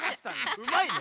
うまいね。